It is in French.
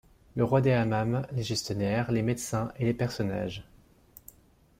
Le roi des hammams, les gestionnaires, les médecins et les personnages.